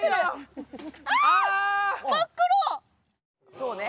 そうね。